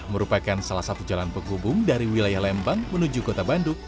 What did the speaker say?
merupakan salah satu jalan penghubung dari wilayah lembang menuju kota bandung